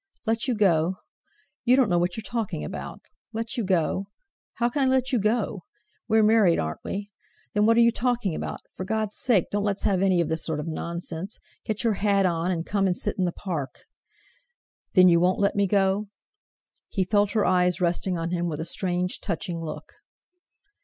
"Let you go? You don't know what you're talking about. Let you go? How can I let you go? We're married, aren't we? Then, what are you talking about? For God's sake, don't let's have any of this sort of nonsense! Get your hat on, and come and sit in the Park." "Then, you won't let me go?" He felt her eyes resting on him with a strange, touching look.